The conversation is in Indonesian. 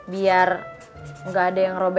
biar nggak ada yang nge review